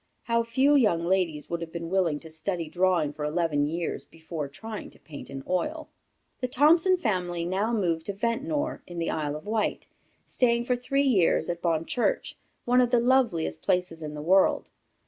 How few young ladies would have been willing to study drawing for eleven years, before trying to paint in oil! The Thompson family now moved to Ventnor, in the Isle of Wight, staying for three years at Bonchurch, one of the loveliest places in the world.